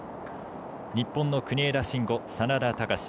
日本の国枝慎吾、眞田卓